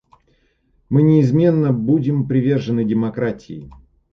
Мы неизменно будем привержены демократии.